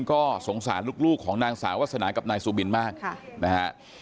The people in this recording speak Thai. ก็สงสารลูกของนางสาววาสนากับนายสุบินมากนะฮะ